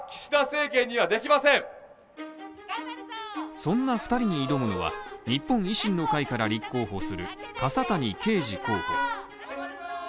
そんな２人に挑むのは日本維新の会から立候補する笠谷圭司候補。